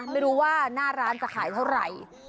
ไม่รู้ว่าหน้าร้านจะขายเท่าไหร่